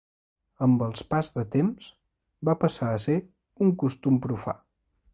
Amb els pas de temps, va passar a ser un costum profà.